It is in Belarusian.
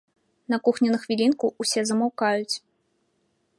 На кухні на хвілінку ўсе замаўкаюць.